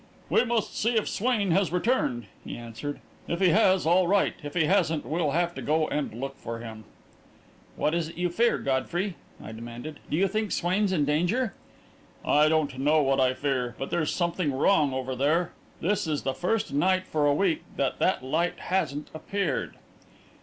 "We must see if Swain has returned," he answered. "If he has, all right. If he hasn't, we'll have to go and look for him." "What is it you fear, Godfrey?" I demanded. "Do you think Swain's in danger?" "I don't know what I fear; but there's something wrong over there. This is the first night for a week that that light hasn't appeared."